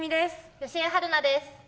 吉江晴菜です。